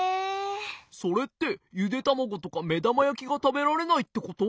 それってゆでたまごとかめだまやきがたべられないってこと？